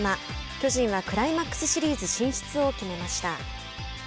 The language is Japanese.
巨人はクライマックスシリーズ進出を決めました。